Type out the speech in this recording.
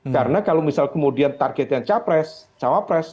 karena kalau misal kemudian targetnya capres